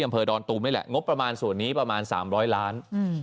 อำเภอดอนตูมนี่แหละงบประมาณส่วนนี้ประมาณ๓๐๐ล้าน